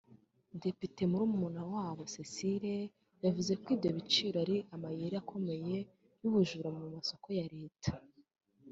Depite Murumunawabo Cécile yavuze ko ibyo biciro ari amayeri akomeye y’ubujura mu masoko ya leta